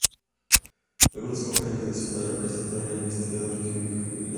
Antiguos compañeros de su padre le presentaron al investigador químico Irving Langmuir.